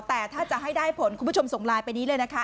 แต่ถ้าจะให้ได้ผลคุณผู้ชมส่งไลน์ไปนี้เลยนะคะ